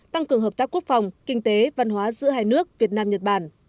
tăng cường hợp tác quốc phòng kinh tế văn hóa giữa hai nước việt nam nhật bản